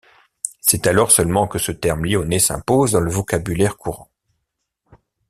C'est alors seulement que ce terme lyonnais s'impose dans le vocabulaire courant.